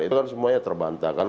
itu kan semuanya terbantahkan